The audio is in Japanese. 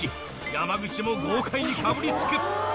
山口も豪快にかぶりつく！